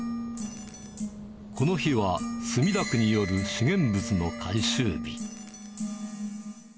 この日は墨田区による資源物の回収日。